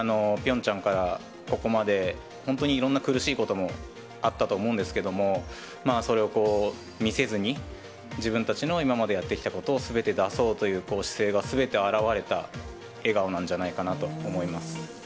ピョンチャンからここまで、本当にいろんな苦しいこともあったと思うんですけども、それを見せずに、自分たちの今までやってきたことをすべて出そうという姿勢が、すべて表れた笑顔なんじゃないかなと思います。